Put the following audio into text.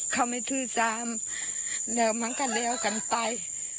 เขาไม่ทื่อซ้ำแล้วมั้งกันแล้วกันไป